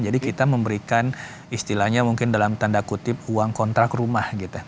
jadi kita memberikan istilahnya mungkin dalam tanda kutip uang kontrak rumah gitu